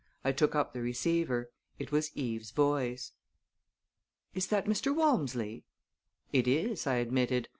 I took up the receiver. It was Eve's voice. "Is that Mr. Walmsley?" "It is," I admitted.